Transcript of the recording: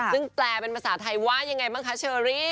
ซึ่งแปลเป็นภาษาไทยว่ายังไงบ้างคะเชอรี่